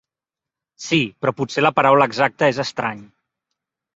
Sí, però potser la paraula exacta és estrany.